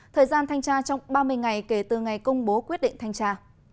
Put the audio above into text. thời gian thanh tra trong ba mươi ngày kể từ ngày công bố quyết định thanh tra